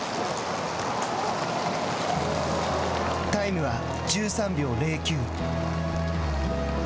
タイムは１３秒０９。